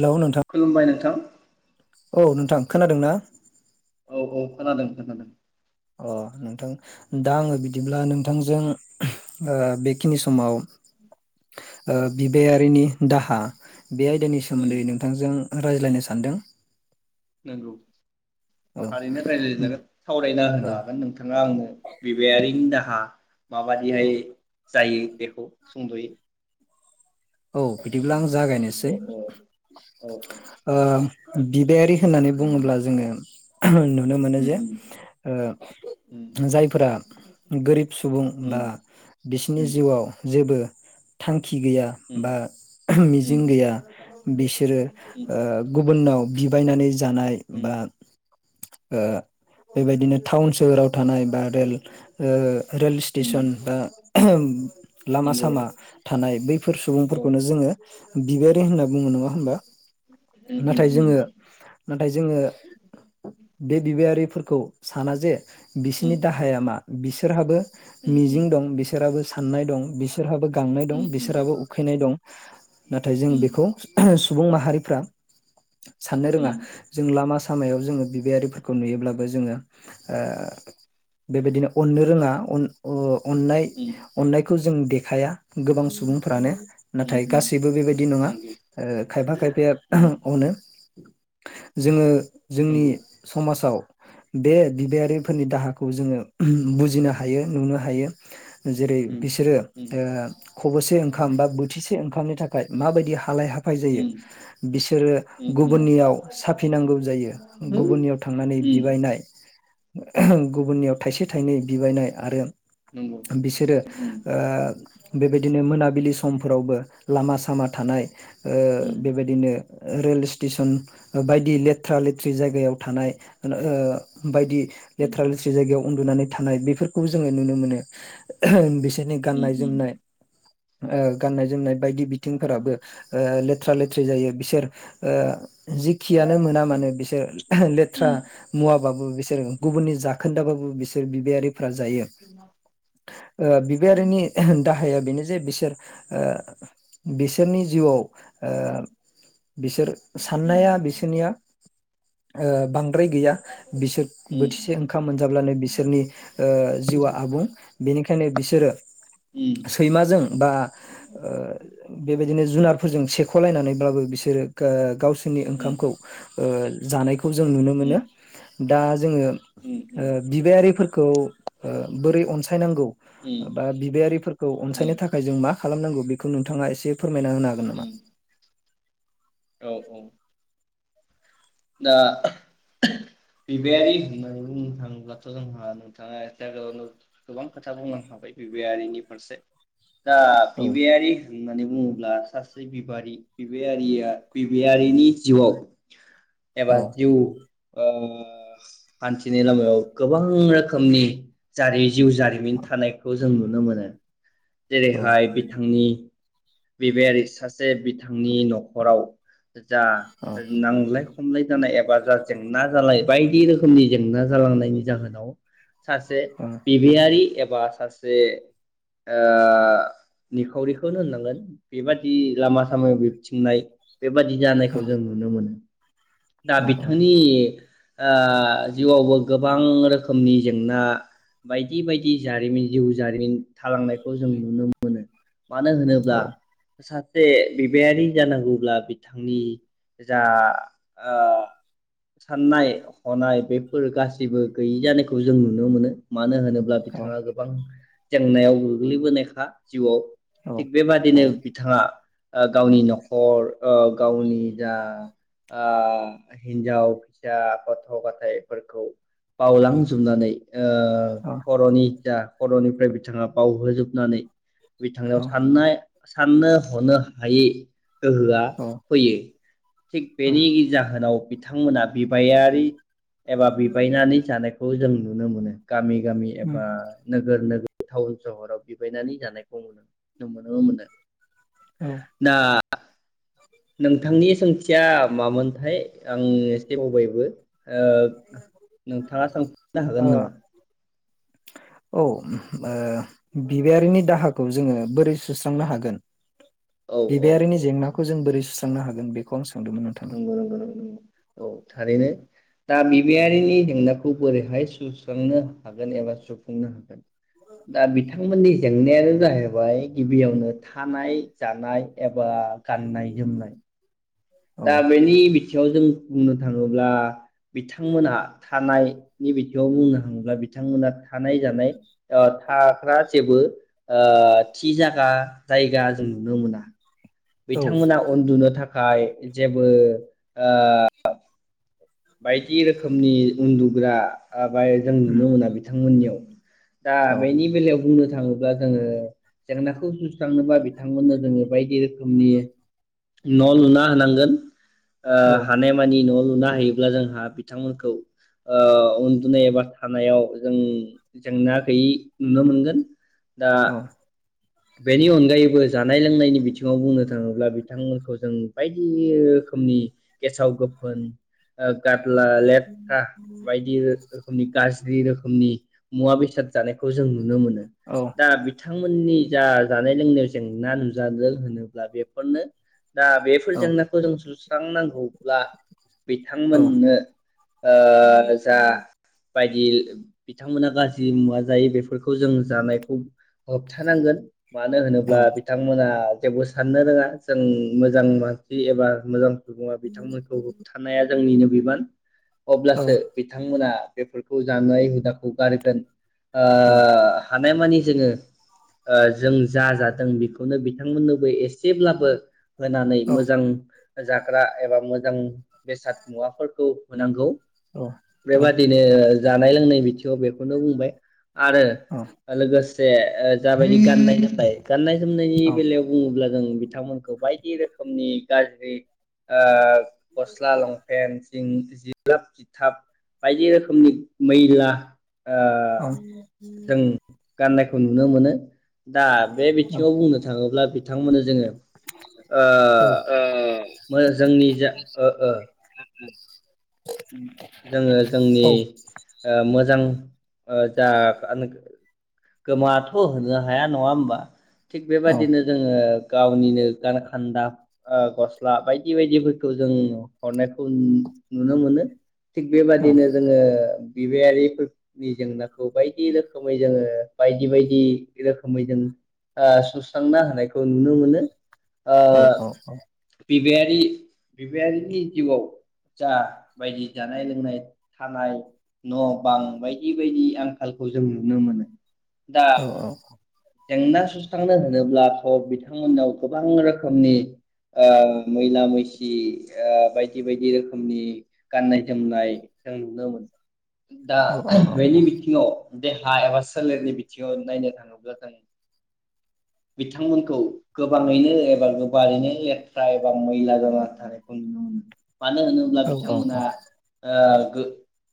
Hello नोंथां खुलुमबाय नोंथां। औ नोंथां खोनादों ना? औ औ खोनादों खोनादों। अ नोंथां। दा आङो बिदिब्ला नोंथांजों ओ बेखिनि समाव ओ औ बिबायारिनि दाहा बे आयदानि उम सोमोन्दै नोंथांजों रायज्लायनो सानदों। नंगौ। औ थारैनो रायज्लायजागोन सावरायना होनो औ हागोन नोंथाङा आंनो बिबायारिनि दाहा माबादिहाय औ जायो बेेखौ सुंद'यै औ बिदिब्ला आं जागायनोसै औ औ औ औ ओ बिबायारि होननानै बुङोब्ला जोङो नुनो मोनो उम जे ओ उम जायफोरा गोरिब सुबुं उम बा बिसिनि उम जिउआव जेबो थांखि गैया। उम बा उम मिजिं गैया बिसोरो उम ओ गुबुननाव बिबायनानै जानाय उम बा ओ बेबायदिनो टाउन सोहोराव थानाय बा रेल ओ रेल स्टेसन उम बा ओहोम [inaudible] लामा नंगौ सामा थानाय बैफोर सुबुं औ फोरखौनो जोङो बिबायारि होना बुङो नङा होनबा उम उम नाथाय उम जोङो नाथाय जोङो बे बिबायारि फोरखौ साना जे उम बिसिनि दाहाया मा बिसोर रोहाबो उम उम मिजिं दं बिसोराबो साननाय दं बिस बिसोरहाबो गांनाय दं उम बिसरहाबो उख नाय दं। नाथाय जों बेखौ सु सुबुं माहारिफ्रा साननो रोङा उम जों लामा सा सामायाव जोङो बिबायारिफोरखौ नुयोब्लाबो जोङो ओ बेबायदिनो अननो रोङा अन ओ अननाय उम अनायखौ खौ जों देखाया गोबां सुबुंफ्रानो। उम नाथाय उम गासैबो बेबायदि नङा नंगौ ओ खायफा खायफाया [unintelligible] उम अनो जोङो जोंनि नंगौ समाजाव बे बिबायारि फोरनि दाहाखौ जोङो ओहोम बुजिनो हायो नुनो हायो। जेरै उम बिसोरो ओ खब'से उम ओंखाम बा थिसे ओंखामनि थाखाय माबायदि उम हालाय हाफाय जायो बिसोरो उम उम गुबुननियाव साफिनांगौ जायो होम गुबुननियाव थांनानै उम बिबायनाय ओहो गुबुननियाव थाइसे थाइनै बिबायनाय आरो नंगौ बिसोरो उम ओ बेबायदिनो मोनाबिलि समफोरावबो लामा सामा थानाय ओ उम बेबायदिनो रेल स्टेसन बायदि लेथ्रा लेथ्रि जायगायाव थानाय ओ बायदि उम लेथ्रा लेथ्रि जायगायाव उन्दुनानै थानाय बेफोरखौबो जोङो नुनो मोनो ओहो बिस सोरनि उम गाननाय उम जोमनाय ओ गाननाय जोमनाय बायदि [unintelligible] बिथिंफोराबो ओ लेथ्रा लेथ्रि जायो बिसोर ओ जखियानो मोना मानो बिसोर लेथ्रा मुवाबाबो बिसोर गुबुननि जा खोन्दाबाबो बिसोर बिबायारि फोरा जायो ओ उम उम बिबायारिनि दाहाया बेनो जे बिसोर ओ बिसोरनि जिउआव ओ बिसोर उम उम साननाया बिसोरनिया ओ बां बांद्राय गैया बिसोर उम बोथिसे ओंखाम मोनजाब्लानो बिसोरनि ओ जिउआ आबुं बेनिखायनो बिसोरो उम सैमाजों बा ओ बे बिदिनो जुनारफोरजों सेख'लायनानैब्लाबो बिसोरो गावसोरनि ओंखामखौ जानायखौ खौ जों नुनो मोनो। दा जोङो ओ बिबायारिफोर खौ ओ बोरै अनसायनांगौ। उम बा बिबायारिफोरखौ अनसायनो उम थाखाय जों मा खालामनांगौ बेखौ नोंथाङा एसे फोरमायना होनो हागोन नामा। उम औ औ दा बिबायायारि होननानै बुंनो थाङोबथ' जोंहा नोंथाङााव गोबां खोथा बुंलां खाबाय बिबायारिनि फारसे दा औ बिबारि होननानै बुं ब्ला सासे बिबारि बिबारिया बिबयारिनि जिउआव एबा औ जिउ ओ हान्थिनि लामायाव गोबां रोखोमनि जारि जिउ जारिमिन औ थानायखौ जों नुनो मोनो। जेरैहाय बिथांनि बिबायारि सासे बिथांनि न'खराव जा औ नांलाय खमलाय जानाय एबा जा जेंना जालाय बायदि रोखोमनि जेंना जालांनायनि जाहोनाव सासे औ बिबिआरि बा सासे ओ निखावरिखौनो होननांगोन बेबादि लामा सामायाव बिबथिंनाय बेबादि जानायखौ जों नुनो मोनो दा औ बिथांनि जिउआवबो गोबां रोखोमनि जेंना बायदि बायदि जारिमिन जिउ जारिमिन थालांनायखौ जों नुनो मोनो मानो होनोब्ला जे बिबायारि जानांगौब्ला बिथांनि जा साननाय हनाय बेफोर गासैबो गैयि जानायखौ जों नुनो मोनो मानो होनोब्ला औ बिथाङा गोबां जेंनायाव गोग्लैबोनायखा जिउआव थिग बेबादिनो बिथाङा गावनि नखर गावनि जा हिन्जाव फिसा गथ गथायाइफोरखौ बावलांजोबनानै खरनि इथा खरनिफ्राय बिथाङा बावहोजोबनानै बिथांनिआव साननाय साननो हनो हायै गोहोआ फैयो औ बेनि जाहोनाव बिथांमोना बिबायारि एबा बिबायनानै जानायखौ जों नुनो मोनो गामि गामि एबा नोगोर नोगोर टाउन सहराव बिबायनानै जानायखौ नुनो मोनो औ दा नोंथांनि सोंथिया मामोनथाय आं एसे बावबायबो नोंथाङा सोंफिननो हागोन नामा औ ओ बिबायारिनि दाहाखौ जोङो बोरै सुस्रांनो हागोन। औ औ बिबायारिनि औ जेंनाखौ जों बोरै सुस्रां सोंनो हागोन बेखौ आं सों नंगौ नंगौ औ थारैनो दा बिबियारिनि जेंनाखौ बोरैहाय सुस्रांनो हागोन एबा सुफुंनो हागोन दा बिथांमोननि जेंनायानो जाहैबाय गिबियावनो थानाय जानाय एबा बा गाननाय जोमनाय। औ दा बेनि बिथि थिंआव जों बुंनो थाङोब्ला बिथांमोनहा थानाय नि बिथिङाव बुंनो थाङोब्ला बिथांमोना थानाय जानाय ओ थाग्रा जेबो ओ थि जागा जायगा जों नुनो मोना। औ बिथांमोना उन्दुनो थाखा खाय जेबो ओ बायदि रोखोमनि उन्दुग्रा आबाय जों नुनो मोना बिथांमोननियाव। दा बेनि बेलायाव बुंनो था थाङोब्ला जोङो जेंनाखौ सुस्रांनोबा बिथांमोननो जोङो बायदि रोखोमनि न' लुना होनांगोन। आ औ हानायमानि न' लुनो होयोब अब्ला जोंहा बिथांमोनखौ ओ उन्दुनाय एबा थानायाव जों जेंना गैयि नुनो मोनगोन। दा बेनि अनगायैबो जानाय लोंनायनि बिथिङाव बुंनो थाङोब्ला बिथांमोनखौ जों बायदि रोखोमनि गेसाव गोफोन [unintelligible] ला लेथ्रा बायदि रोखो खोमनि गाज्रि रोखोमनि मुवा बेसाद जानायखौ जों नुनो मोनो। दा बिथांमोननि जा जानाय लोंनायाव जेंना नुजादों होनोब्ला बेफोरनो। दा बेफोर औ जेंनाखौ जों सु सुस्रांनांगौब्ला बे औ बिथांमोननो ओ जा बायदि बिथांमोना गाज्रि मुवा जायो बेफोरखौ जों जानायखौ होबथानांगोन। मानो औ होनोब्ला बिथांमोना थेवबो साननो रोङा जों मोजां मानसि एबा मोजां बिथांमोनखौ होबथानाया जोंनिनो बिबान। औ अब्लासो बिथांमोना बेफोरखौ जानाय हुदाखौ गारगोन। ओ हानायमानि जोङो ओ जों जा जादों बेखौनो बिथांमोननोबो एसेब्लाबो होनानै मोजां जाग्रा एबा मोजां बेसाद मुवाफोरखौ होनांगौ। बेबादिनो जानाय लोंनाय बिथिङाव बेखौनो बुंबाय। आरो लोगोस जे ओ जाबायदि गाननाय जोमनाय गाननाय जोमनायनि बेलायाव बुङोब्ला जों बिथांमोनखौ बायदि रोखोमनि गाज्रि ओ गस्ला लं फेनसिं जिलाब जिथाब बायदि रोखोमनि मैला ओ जों गाननायखौ नुनो मोनो। दा बे बिथिङाव बुंनो थाङोब्ला बिथांमोननो जोङो ओ मो जोंनि जा ओ ओ [unintelligible] जोङो जोंनि ओ मोजां ओ जा आनोक गोबांङाथ' होनो हाया नङा होमबा? थिग बेबायदिनो जोङो गावनिनो गानखान्दा ओ गस्ला बायदि बायदिफोरखौ जों हरनायखौ नुनो मोनो। थिग बेबादिनो जोङो बिबायारिफोरनि जेंनाखौ बायदि रोखोमै जोङो बायदि बायदि रोखोमै जों ओ सुस्रांना होनायखौ नुनो मोनो। औ ओ औ औ। बिबायारि बिबायारिनि जिउआव जा बायदि जानाय लोंनाय थानाय न' बां बायदि बायदि आंखालखौ जों नुनो मोनो। दा औ औ। जेंना सुस्रांनो होनोब्लाथ' बिथांमोननाव गोबां रोखोमनि ओ मैला मैसि ओ बायदि बायदि रोखोमनि गाननाय जोमनाय जों नुनो मोनो। दा बेनि बिथिङाव देहा एबा सोलेरनि बि थियन नायनो थाङोब्ला जों बिथांमोनखौ गोबाङैनो एबा गोबारैनो लेथ्रा एबा मैला जाना थानायखौ नुनो मोनो। मानो होनोब्ला बिथांमोना ओ [unintelligible]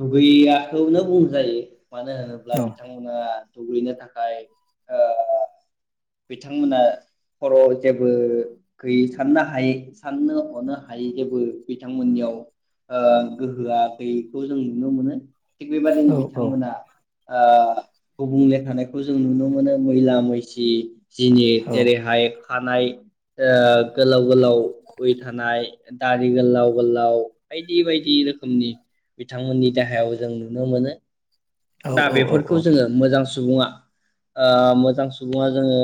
दुगैयाखौनो बुंजायो। मानो होनोब्ला बिथांमोना दुगैनो थाखाय ओ बिथांमोना खर'आव जेबो गैयै साननो हायि साननो हनो हायै जेबो बिथांमोननियाव ओ गोहोआ गैयैखौ जों नुनो मोनो। थिग बेबादिनो बिथांमोना आ गुबुंले थानायखौ जों नुनो मोनो मैला मैसि जिनिर जेरैहाय खानाय ओ गोलाव गोलाव गय थानाय दारि गोलाव गोलाव बायदि बायदि रोखोमनि बिथांमोननि देहायाव जों नुनो मोनो । दा औ बेफोरखौ जोङो मोजां स सुबुङा ओ मोजां सुबुङा जोङो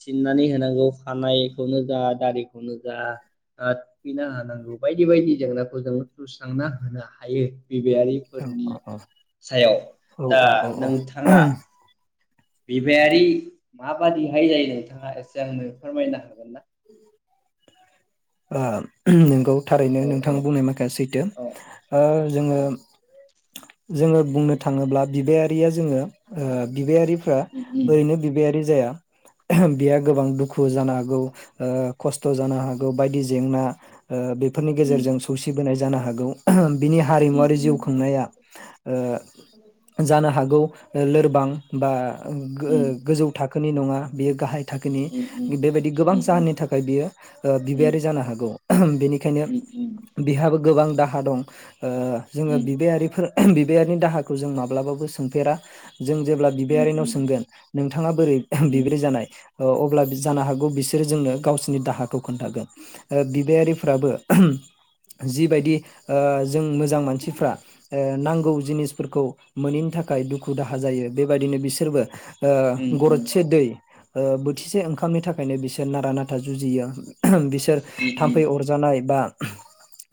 सिननानै होनांगौ खानायखौनो जा दारिखौनो जा ओ थुखैना होनांगौ बायदि बायदि जेंनाखौ जों सुस्रांना होनो हायो । बिबायारिफोरनि औ औ सायाव । दा नोंथाङा बिबायारि माबादिहाय जायो नोंथाङा एसे आंनो फोरमायनो हागोन ना? [unintelligible] [unintelligible] नोंगौ थारैनो औ नोंथां औ बुंनाय माखाया सैथो औ ओ औ जोङो जोङो बुंनो थाङोब्ला बिबायारिया ज जोङो ओ बिबायारिफ्रा उम उम ओरैनो बिबायारि जाया [unintelligible] बिया गोबां दुखु जानो हागौ ओ खस्त' जानो हागौ बायदि जेंना ओ बेफोरनि गेजेरजों उम सौसिबोनाय ज जानो हागौ [unintelligible] बिनि हारिमुवारि जिउ उम उम खांनाया ओ जानो हागौ ओ लोरबां बा [unintelligible] उम गोजौ था खोनि नङा बेयो गाहाय थाखोनि उम उम बेबायदि गोबां स उम जाहोननि थाखाय बियो ओ उम उम बिबायारि जानो हागौ बेनिखायनो उम उम बिहाबो गोबां दाहा दं ओ जोङो बिबायारिफोर [unintelligible] बिबायारिनि दाहा खौ जों माब्लाबाबो सोंफेरा । जों जेब्ला उम बिबारिनाव उम सोंगोन नोंथाङा बोरै उम बिब्रै जानाय जानो हागौ बिस बिसोर जोंनो गावसोरनि दाहाखौ खोनथागोन बिबायारि फोराबो जिबायदि जों मोजां मानसिफ्रा नांगौ जिनिसफोरखौ मोनैनि थाखाय दुखु दाहा जायो बेबायदिनो बिसोरबो उम उम गरसे दै ओ बोथिसेओंखामनि थाखायनो बिसो नारा नाथा जुजियो बिसोर थाम्फै उम अरजानाय बा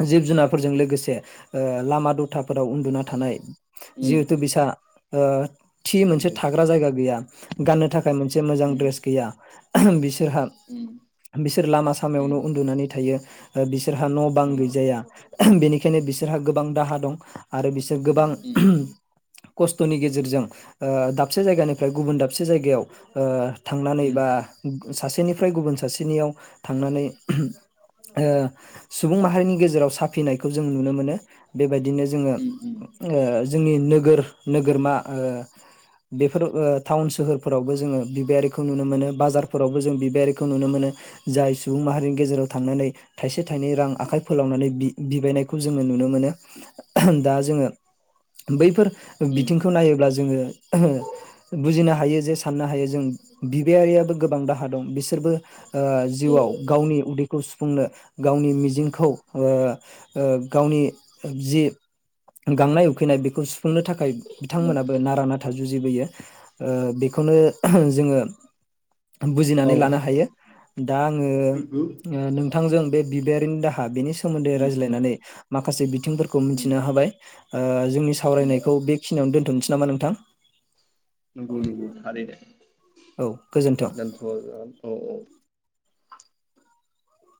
जिब जुनारफोरजों लोगोसे ओ लामा दथा फोराव उन्दुना उम थानाय उम जिहेथु बिसा ओ थि मोनसे नंगौ थाग्रा जायगा गैया गाननो थाखाय मोनसे मोजां उम ड्रेस गैया बिसोरहा उम बिसोर लामा सामायावनो उम उन्दुनानै थायो ओ बिसो बिसोरहा न बां नंगौ गैजाया बेनिखायनो बिसोरहा गोबां दाहा दं आरो बिसोर गोबां उम खस्थनि गेजेरजों ओ दाबसे जायगानिफ्राय गुबुन दाबसे जायगायाव ओ थांनानै उम बा सासेनि फ्रय गुबुन सासेनियाव थांनानै ओ सुबुं माहारिनि गेजेराव जेराव साफिनायखौ जों नुनो मोनो बेबायदि बिदिनो जोङो उम ओ जोंनि नोगोर नोगोरमा ओ बेफोर ओ टाउन सोहोरफोरावबो जोङो बिबायारिखौ नुनो मोनो बाजारफोरावबो जों बिबायारिखौ खौ नुनो मोनो जाय सुबुं माहारिनि गेजेराव थांनानै थाइसे थाइनै रां आखाइ फोलावनानै बि बिबायनायखौ जोङो नुनो मोनो दा जोङो बैफोर उम बिथिंखौ नायोब्ला जोङो बुजिनो हायो जे साननो हायो जों बिबायारियाबो गोबां दाहा दं बिसोर बिसोरबो ओ जिउआव गावनि उदैखौ सुफुंनो गावनि मिजिंखौ ओ ओ गावनि जि गांनाय उखैनाय बेखौ सुफु सुंनो थाखाय उम बिथांमोनाबो नारा नाथा जुजि जुजिबोयो ओ बेखौनो जोङो औ बुजिनानै लानो दा आङो नंगौ ओ नोंथांजों बे बिबाइयारिनि दाहा बेनि सो सोमोन्दै उम रायज्लायनानै माखासे बिथिंफोरखौ उम उम मिथिनो हाबाय ओ जोंनि सावरायनायखौ बेखिनियावनो दोनथ सै नामा नोंथां? नोंगौ नोंगौ थारैनो। औ गोजोन्थों। दोन्थ' जा औ औ